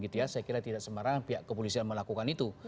saya kira tidak sembarang pihak kepolisian melakukan itu